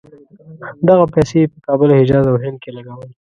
دغه پیسې یې په کابل، حجاز او هند کې لګولې.